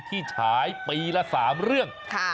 ที่ฉายปีละ๓เล่าง